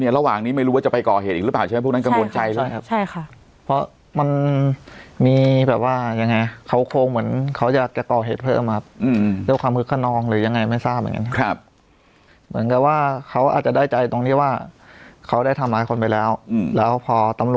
ระหว่างนี้ไม่รู้ว่าจะไปก่อเหตุอีกหรือเปล่าใช่ไหม